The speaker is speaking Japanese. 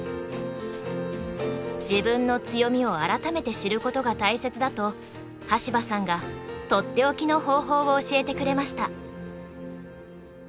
自分の強みを改めて知ることが大切だと端羽さんが取って置きの方法を教えてくれました。